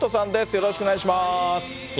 よろしくお願いします。